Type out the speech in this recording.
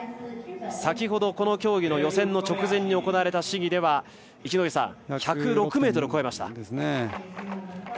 先ほど、この競技の予選の直前に行われた試技では１０６ｍを超えました。